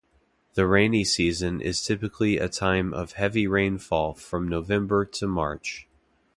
The rainy season is typically a time of heavy rainfall from November to March.